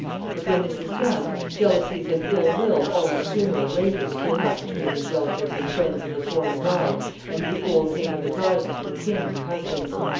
But when this is done, jealousies and ill will always sooner or later spring up between these relatives and friends of the foreign bride and the old native advisers of the king her husband.